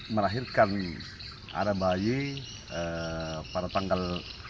merahirkan ada bayi pada tanggal tiga belas